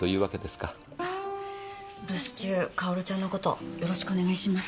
留守中薫ちゃんの事よろしくお願いします。